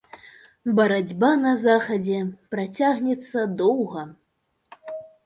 Барацьба на захадзе працягнецца доўга.